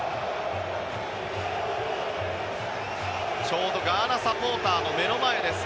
ちょうどガーナサポーターの目の前です。